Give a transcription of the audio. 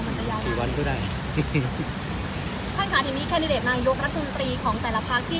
มันจะยาวสิหวันก็ได้นะคะทีนี้งานยกระสุนตรีของแต่ละภาพที่